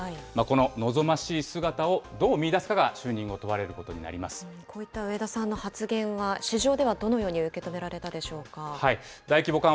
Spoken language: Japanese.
この望ましい姿を、どう見いだすかが就任後、問われることになりこういった植田さんの発言は、市場ではどのように受け止められたでしょうか。